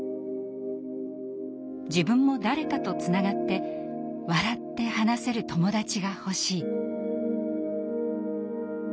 自分も誰かとつながって笑って話せる友達が欲しい。